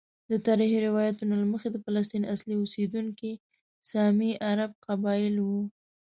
د تاریخي روایاتو له مخې د فلسطین اصلي اوسیدونکي سامي عرب قبائل وو.